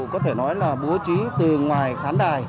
có thể nói là bố trí từ ngoài khán đài